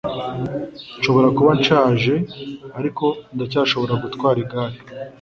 Nshobora kuba nshaje, ariko ndacyashobora gutwara igare.